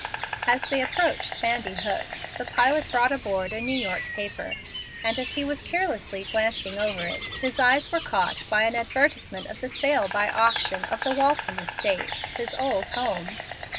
As they approached Sandy Hook, the pilot brought abroad a New York paper, and as he was carelessly glancing over it, his eyes were caught by an advertisement of the sale by auction of the Walton estate, his old home.